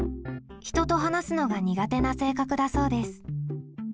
人と話すのが苦手な性格だそうです。